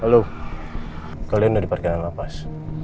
halo kalian udah di parkiran la paz